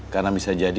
karena bisa jadi